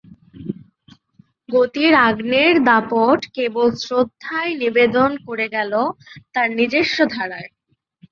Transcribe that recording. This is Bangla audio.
গতির আগ্নেয় দাপট কেবল শ্রদ্ধাই নিবেদন করে গেল, তার নিজস্ব ধারায়।